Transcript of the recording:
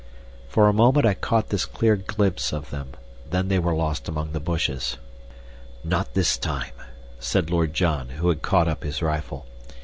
For a moment I caught this clear glimpse of them. Then they were lost among the bushes. "Not this time," said Lord John, who had caught up his rifle.